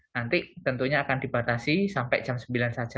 nanti tentunya akan dibatasi sampai jam sembilan saja